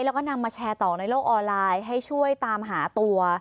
แล้วก็นำมาแชร์ต่อในโลกออนไลน์ให้ช่วยตามหาตัว